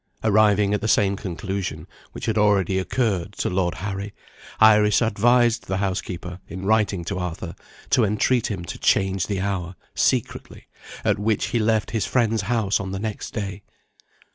Arriving at the same conclusion which had already occurred to Lord Harry, Iris advised the housekeeper, in writing to Arthur, to entreat him to change the hour, secretly, at which he left his friend's house on the next day.